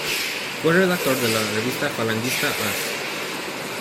Fue redactor de la revista falangista "Haz".